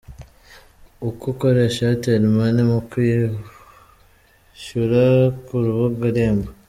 Uko ukoresha Airtel money mukwihyura ku rubuga Irembo.